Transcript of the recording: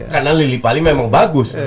karena lili pali memang bagus